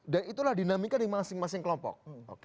dan itulah dinamika di masing masing kelompok